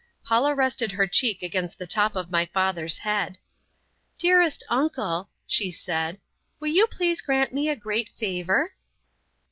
Paula rested her cheek against the top of my father's head. "Dearest uncle," she said, "will you please grant me a great favor?"